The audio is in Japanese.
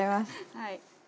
はい。